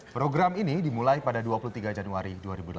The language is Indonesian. program ini dimulai pada dua puluh tiga januari dua ribu delapan belas